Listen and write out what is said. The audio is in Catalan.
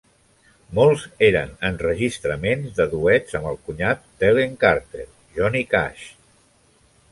Molts eren enregistraments de duets amb el cunyat d'Helen Carter, Johnny Cash.